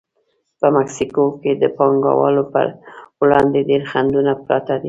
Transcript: په مکسیکو کې د پانګوالو پر وړاندې ډېر خنډونه پراته دي.